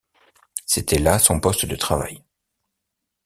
C’était là son poste de travail.